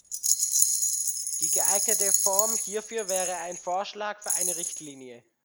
Die geeignete Form hierfür wäre ein Vorschlag für eine Richtlinie.